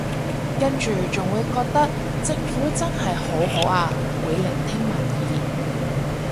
跟住仲會覺得政府真係好好啊會聆聽民意